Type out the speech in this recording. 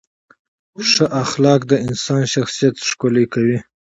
ښه اخلاق د انسان شخصیت ښکلي کوي.